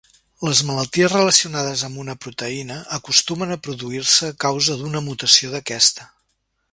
Les malalties relacionades amb una proteïna acostumen a produir-se a causa d'una mutació d'aquesta.